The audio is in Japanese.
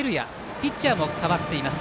ピッチャーも代わっています。